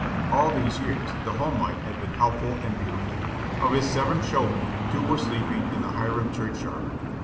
All these years the home life had been helpful and beautiful. Of his seven children, two were sleeping in the Hiram church yard.